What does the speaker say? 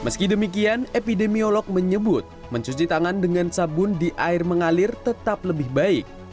meski demikian epidemiolog menyebut mencuci tangan dengan sabun di air mengalir tetap lebih baik